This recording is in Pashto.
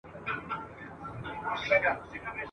ځکه دا ټوټې بې شمېره دي لوېدلي ..